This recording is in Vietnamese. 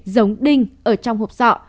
giống đinh ở trong hộp sọ